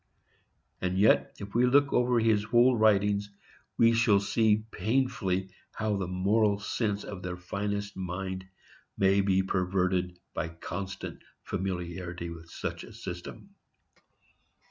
And yet, if we look over his whole writings, we shall see painfully how the moral sense of the finest mind may be perverted by constant familiarity with such a system.